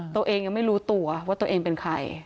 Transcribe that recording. ตัวเองยังไม่รู้ตัวว่าตัวเองเป็นใคร